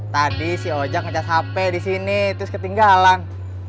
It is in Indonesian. tadi si oja ngecas hp di sini terus ketinggalan